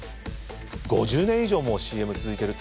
５０年以上もＣＭ続いてるって。